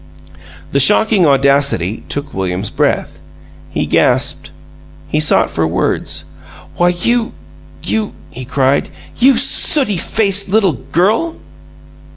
The shocking audacity took William's breath. He gasped; he sought for words. "Why, you you " he cried. "You you sooty faced little girl!"